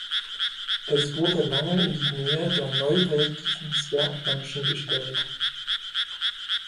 Es wurde lange in die Nähe der Neuweltlichen Zwerghörnchen gestellt.